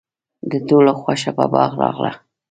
د ټولو خوښه په باغ راغله.